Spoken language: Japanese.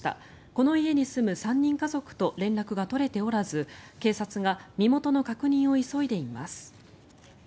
この家に住む３人家族と連絡が取れておらず警察が身元の確認を急いでいます。